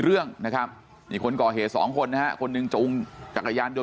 เรื่องนะครับอีกคนก่อเหตุ๒คนนะคนนึงจะอุ้งจักรยานโดน